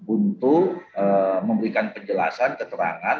untuk memberikan penjelasan keterangan